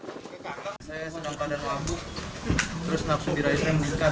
saya senang pada mabuk terus nafsu diraihnya menggigitkan